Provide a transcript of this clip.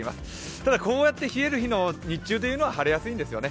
ただ、こうやって冷える日の日中というのは晴れやすいんですよね。